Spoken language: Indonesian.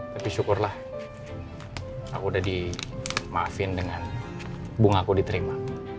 tapi syukurlah aku udah dimaafin dengan bunga aku diterima